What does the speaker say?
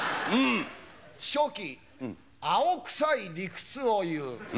初期青くさい理屈を言う。